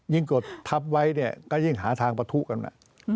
ยิ่งกดทับไว้ก็ยิ่งหาทางประทุกัน